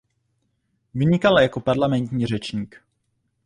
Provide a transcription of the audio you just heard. Vynikal jako parlamentní řečník.